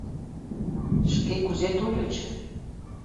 Шке кузе тольыч?